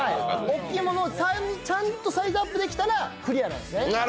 ちゃんとサイズアップできたらクリアなんですね。